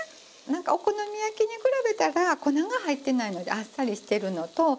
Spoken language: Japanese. なんかお好み焼きに比べたら粉が入ってないのであっさりしてるのと。